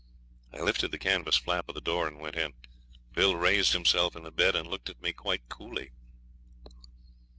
I lifted the canvas flap of the door and went in. Bill raised himself in the bed and looked at me quite coolly.